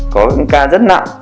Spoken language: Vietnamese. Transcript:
có một ca rất nặng